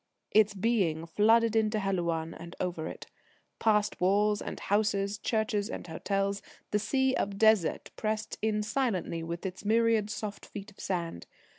Its Being flooded into Helouan, and over it. Past walls and houses, churches and hotels, the sea of Desert pressed in silently with its myriad soft feet of sand.